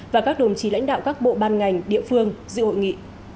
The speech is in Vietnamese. và các đồng chí lãnh đạo các bộ ban ngành địa phương dự hội nghị